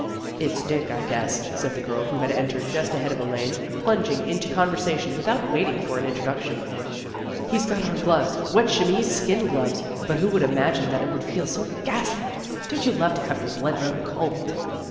" It's Dick, I guess," said the girl who had entered just ahead of Elaine, plunging into con versation without waiting for an introduction. 72 THE GIRLS OF FRIENDLY TERRACE " He's got on gloves, wet chamois skin gloves, but who would imagine that it would feel so ghastly? Don't you love to have your blood run cold?